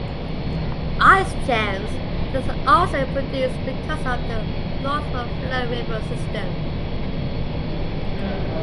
"Ice Jams:" These are also produced because of the northward-flowing river system.